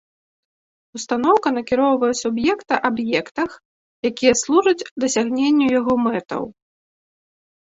Ўстаноўка накіроўвае суб'екта аб'ектах, якія служаць дасягненню яго мэтаў.